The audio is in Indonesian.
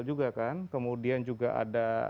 juga kan kemudian juga ada